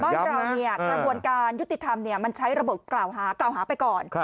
บ้านเรากระบวนการยุติธรรมมันใช้ระบบกล่าวหากล่าวหาไปก่อน